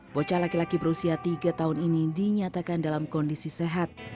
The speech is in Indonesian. bocah laki laki berusia tiga tahun ini dinyatakan dalam kondisi sehat